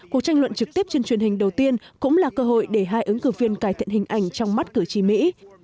cuộc tranh luận trực tiếp trên truyền hình đầu tiên cũng là cơ hội để hai ứng cử viên cải thiện hình ảnh trong mắt cử tri mỹ